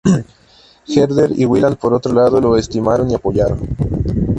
Herder y Wieland, por otro lado, lo estimaron y apoyaron.